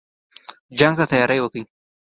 جنګ ته تیاری وکړی.